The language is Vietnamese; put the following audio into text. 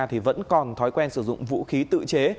thì vẫn còn thói quen sử dụng vũ khí tự chế